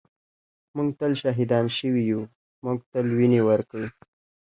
ًٍمونږ تل شهیدان شوي یُو مونږ تل وینې ورکــــړي